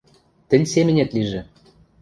— Тӹнь семӹнет лижӹ.